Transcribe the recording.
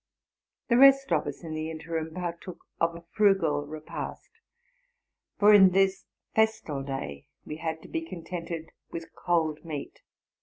The rest of us, in the interim, partook of a frugal repast ; for in this festal day we had to be contented with cold meat.